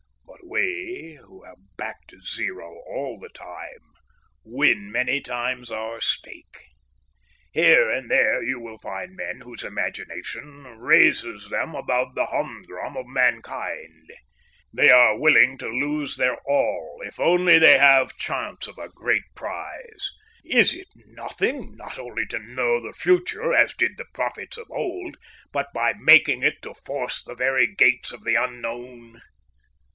But we, who have backed zero all the time, win many times our stake. Here and there you will find men whose imagination raises them above the humdrum of mankind. They are willing to lose their all if only they have chance of a great prize. Is it nothing not only to know the future, as did the prophets of old, but by making it to force the very gates of the unknown?"